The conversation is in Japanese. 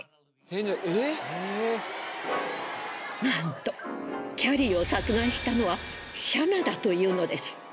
なんとキャリーを殺害したのはシャナだというのです。